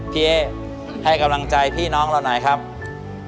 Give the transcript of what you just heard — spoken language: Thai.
เอ๊ให้กำลังใจพี่น้องเราหน่อยครับ